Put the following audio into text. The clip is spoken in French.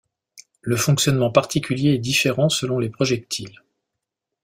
Le fonctionnement particulier est différent selon les projectiles.